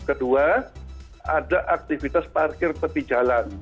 kedua ada aktivitas parkir tepi jalan